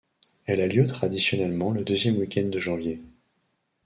Elle a lieu traditionnellement le deuxième week-end de janvier.